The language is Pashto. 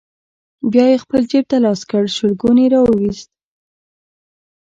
بيا يې خپل جيب ته لاس کړ، شلګون يې راوايست: